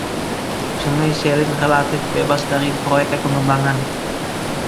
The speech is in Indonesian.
Sungai Saline relatif bebas dari proyek pengembangan.